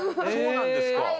そうなんですか。